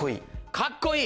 「かっこいい」。